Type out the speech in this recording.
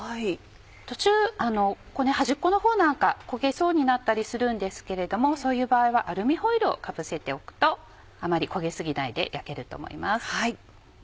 途中端っこのほうなんか焦げそうになったりするんですけれどもそういう場合はアルミホイルをかぶせておくとあまり焦げ過ぎないで焼けると思います。